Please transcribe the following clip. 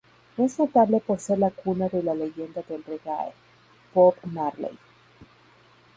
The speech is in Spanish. Es notable por ser la cuna de la leyenda del reggae, Bob Marley.